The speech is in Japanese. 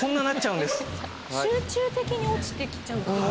集中的に落ちてきちゃうっていう。